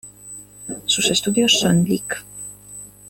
Sus estudios son Lic.